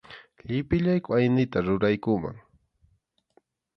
Llipillayku aynita ruraykuman.